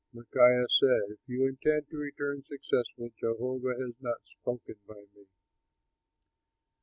'" Micaiah said, "If you indeed return successful, Jehovah has not spoken by me."